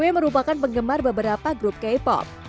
w merupakan penggemar beberapa grup k pop